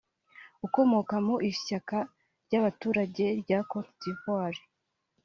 ukomoka mu ishyaka ry’abaturage rya Cote d’Ivoire